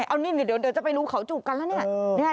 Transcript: เดี๋ยวจะไปดูเขาจูบกันแล้ว